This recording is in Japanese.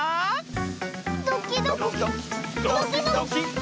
ドキドキドキドキ。